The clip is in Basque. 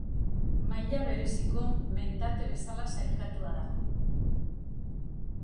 Maila bereziko mendate bezala sailkatua dago.